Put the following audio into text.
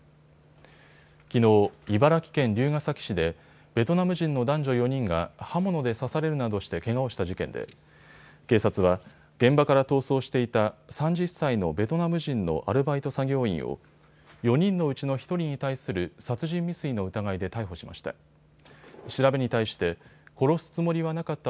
きのう、茨城県龍ケ崎市でベトナム人の男女４人が刃物で刺されるなどしてけがをした事件で警察は現場から逃走していた３０歳のベトナム人のアルバイト作業員を４人のうちの１人に対する殺人未遂の疑いで逮捕しました。